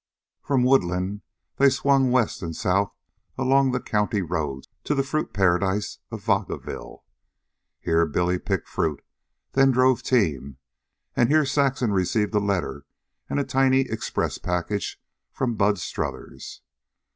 From Woodland they swung west and south along the county roads to the fruit paradise of Vacaville. Here Billy picked fruit, then drove team; and here Saxon received a letter and a tiny express package from Bud Strothers.